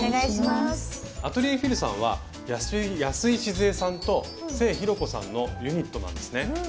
アトリエＦｉｌさんは安井しづえさんと清弘子さんのユニットなんですね。